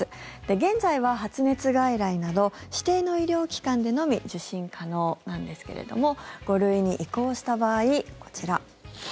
現在は発熱外来など指定の医療機関でのみ受診可能なんですけれども５類に移行した場合、こちら。